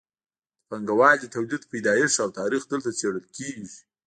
د پانګوالي تولید پیدایښت او تاریخ دلته څیړل کیږي.